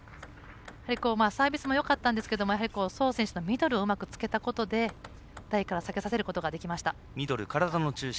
サービスもよかったんですけど宋選手のミドルをうまくつけたことで台から下げさせることができました。